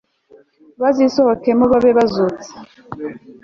bazisohokemo babe bazutse